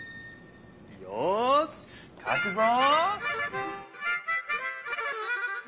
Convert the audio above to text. よしかくぞ！